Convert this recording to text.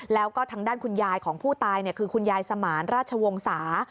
แล้วก็ทางด้านคุณยายของผู้ตายคือคุณยายสมานราชวงศา